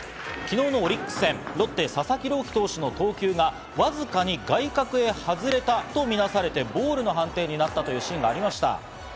昨日のオリックス戦、ロッテ・佐々木朗希投手の投球がわずかに外角へ外れたと見なされ、ボールの判定になったというシーンがありました。